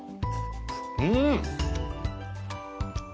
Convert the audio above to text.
うん！